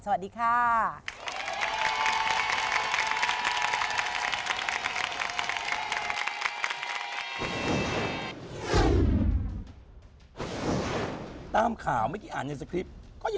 สวัสดีค่ะ